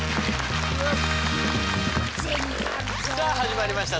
さあ始まりました